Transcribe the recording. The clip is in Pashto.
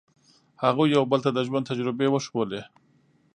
هغوی یو بل ته د ژوند تجربې وښودلې.